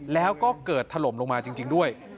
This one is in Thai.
แล้วก็เกิดถล่มลงมาจริงด้วย